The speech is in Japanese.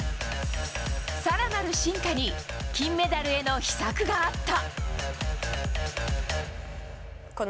更なる進化に金メダルへの秘策があった。